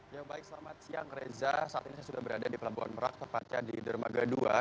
ya baik selamat siang reza saat ini saya sudah berada di pelabuhan merak tepatnya di dermaga dua